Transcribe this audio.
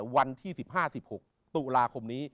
วันที่๑๕๑๖ตุลาคมนี้